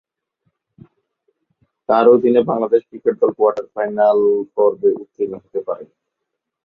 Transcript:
তার অধীনে বাংলাদেশ ক্রিকেট দল কোয়ার্টার-ফাইনাল পর্বে উত্তীর্ণ হতে পারেনি।